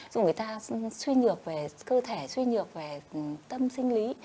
dù người ta suy nhược về cơ thể suy nhược về tâm sinh lý